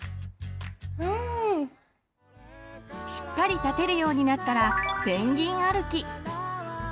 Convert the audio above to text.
しっかり立てるようになったらペンギン歩き。